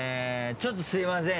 ちょっとすいません